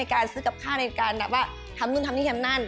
การซื้อกับค่าในการทำนึงทำนี่ทำนั่น